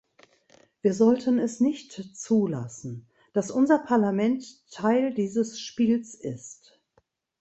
Wir sollten es nicht zulassen, dass unser Parlament Teil dieses Spiels ist.